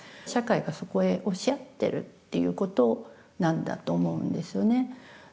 社会がそこへ押しやってるっていうことなんだと思うんですよね。